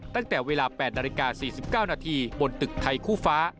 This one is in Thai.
ตั้งแต่เวลา๘นาฬิกา๔๙นาทีบนตึกไทยคู่ฟ้า